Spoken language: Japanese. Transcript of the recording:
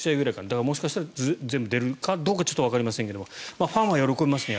だから、もしかしたら全部出るかどうかはちょっとわかりませんがファンは喜びますね。